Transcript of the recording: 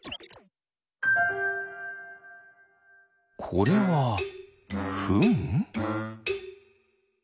これはフン？